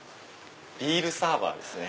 ビールサーバーですね。